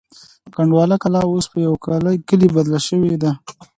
کنډواله کلا اوس په یوه کلي بدله شوې ده.